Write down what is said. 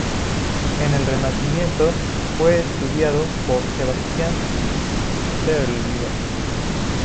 En el Renacimiento, fue estudiado por Sebastiano Serlio.